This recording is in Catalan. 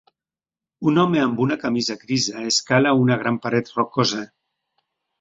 Un home amb una camisa grisa escala una gran paret rocosa.